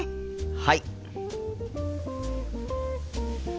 はい。